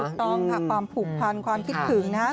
ถูกต้องค่ะความผูกพันความคิดถึงนะครับ